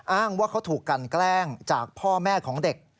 อ้างว่าเขาถูกกันแกล้งจากพ่อแม่ของเด็ก